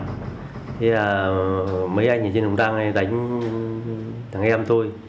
thế là mấy anh ở trên đồng đăng đánh thằng em tôi